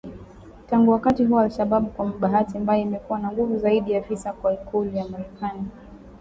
Tangu wakati huo al Shabab kwa bahati mbaya imekuwa na nguvu zaidi afisa wa ikulu ya Marekani